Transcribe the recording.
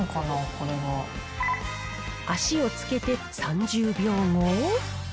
足をつけて３０秒後。